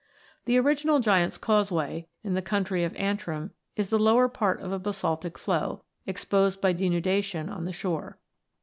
The original Giant's Causeway in the county of Antrim is the lower part of a basaltic flow, exposed by denudation on the shore.